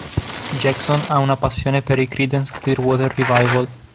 Jackson ha una passione per i Creedence Clearwater Revival.